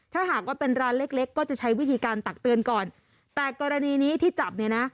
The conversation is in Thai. ถ้าหากว่าเป็นร้านเล็กเล็กก็จะใช้วิธีการตักเตือนก่อนแต่กรณีนี้ที่จับเนี่ยนะ